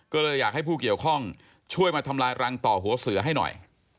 ก็เลยอยากให้ผู้เกี่ยวข้องช่วยมาทำลายรังต่อหัวเสือให้หน่อย